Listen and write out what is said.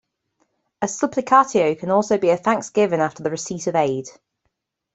A "supplicatio" can also be a thanksgiving after the receipt of aid.